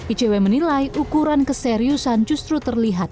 icw menilai ukuran keseriusan justru terlihat